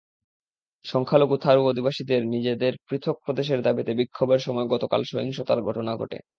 সংখ্যালঘু থারু আদিবাসীদের নিজেদের পৃথক প্রদেশের দাবিতে বিক্ষোভের সময় গতকাল সহিংসতার ঘটনা ঘটে।